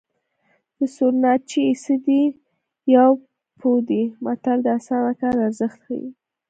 د سورناچي څه دي یو پو دی متل د اسانه کار ارزښت ښيي